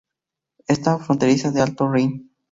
Está fronteriza del Alto Rin.